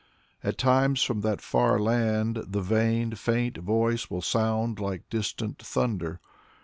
At times from that far land the vain Faint voice will sound like distant thunder.